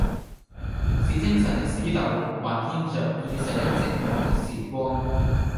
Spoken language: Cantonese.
使精神的絲縷還牽著已逝的寂寞的時光，